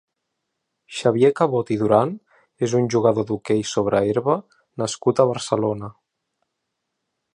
Xavier Cabot i Duran és un jugador d'hoquei sobre herba nascut a Barcelona.